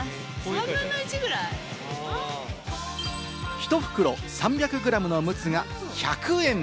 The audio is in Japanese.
１袋３００グラムのムツが１００円。